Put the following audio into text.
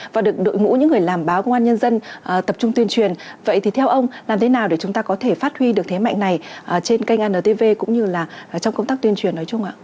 và được đội ngũ những người làm báo công an nhân dân tập trung tuyên truyền vậy thì theo ông làm thế nào để chúng ta có thể phát huy được thế mạnh này trên kênh antv cũng như là trong công tác tuyên truyền nói chung ạ